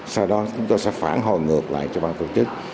sau đó chúng tôi sẽ phản hồi ngược lại cho bác công chức